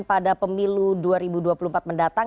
pada pemilu dua ribu dua puluh empat mendatang